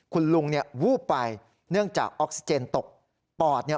คุณลุงเนี่ยวูบไปเนื่องจากออกซิเจนตกปอดเนี่ย